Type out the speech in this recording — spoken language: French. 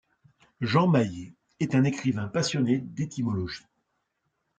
Jean Maillet est un écrivain passionné d'étymologie.